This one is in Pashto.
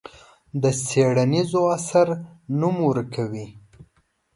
د څېړنیز اثر نوم ورکوي.